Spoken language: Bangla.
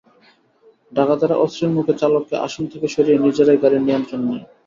ডাকাতেরা অস্ত্রের মুখে চালককে আসন থেকে সরিয়ে নিজেরাই গাড়ির নিয়ন্ত্রণ নেয়।